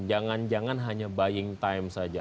jangan jangan hanya buying time saja